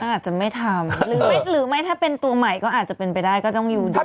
อาจจะไม่ทำหรือไม่ถ้าเป็นตัวใหม่ก็อาจจะเป็นไปได้ก็ต้องอยู่ดี